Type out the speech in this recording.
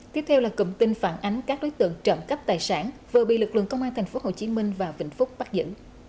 tiếp theo là cụm tin phản ánh các đối tượng trậm cấp tài sản vừa bị lực lượng công an tp hcm và vịnh phúc bắt giữ